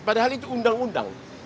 padahal itu undang undang